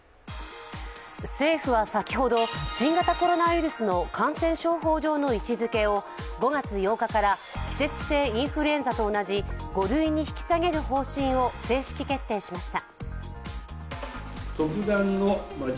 政府は先ほど、新型コロナウイルスの感染症法上の位置づけを５月８日から季節性インフルエンザと同じ５類に引き下げる方針を正式決定しました。